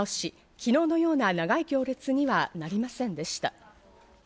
昨日のような長い行列にはなりませんでした。